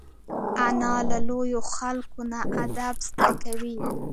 انا له لویو خلکو نه ادب زده کوي